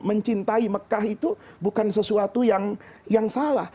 mencintai mekah itu bukan sesuatu yang salah